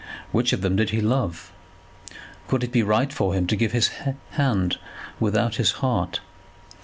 Which of them did he love? Could it be right for him to give his hand without his heart?